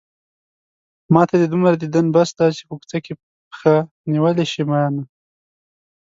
ماته دې دومره ديدن بس دی چې په کوڅه کې پښه نيولی شې مينه